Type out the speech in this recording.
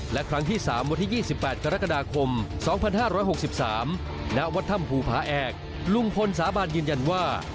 และครั้งที่๓วันที่๒๘กรกฎาคม๒๕๖๓ณวัดถ้ำภูผาแอกลุงพลสาบานยืนยันว่า